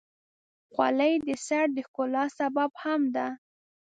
خولۍ د سر د ښکلا سبب هم ده.